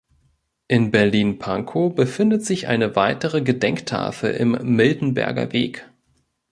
In Berlin-Pankow befindet sich eine weitere Gedenktafel im Miltenberger Weg.